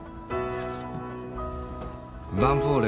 ヴァンフォーレ